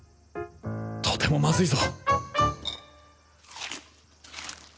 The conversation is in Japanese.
とてもまずいぞ